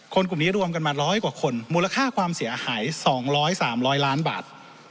กลุ่มนี้รวมกันมา๑๐๐กว่าคนมูลค่าความเสียหาย๒๐๐๓๐๐ล้านบาท